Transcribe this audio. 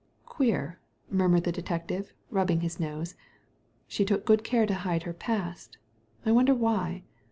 " Queer 1" murmured the detective, rubbing his nose. "She took good care to hide her past I wonder why